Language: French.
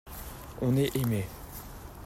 On est aimé.